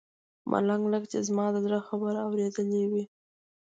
ملنګ لکه چې زما د زړه خبره اورېدلې وي.